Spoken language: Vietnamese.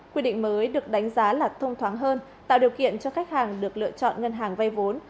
quy định mới được đánh giá là thông thoáng hơn tạo điều kiện cho khách hàng được lựa chọn ngân hàng vay vốn